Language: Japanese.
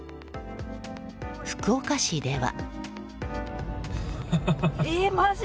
福岡市では。